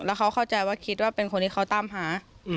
แล้วเขาเข้าใจว่าคิดว่าเป็นคนที่เขาตามหา